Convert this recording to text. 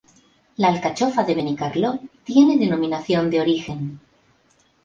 La alcachofa de Benicarló tiene denominación de origen.